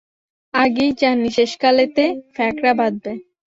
আগেই জানি শেষকালেতে ফ্যাকড়া বাধবে।